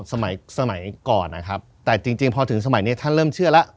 สมัยสมัยก่อนนะครับแต่จริงพอถึงสมัยนี้ท่านเริ่มเชื่อแล้ว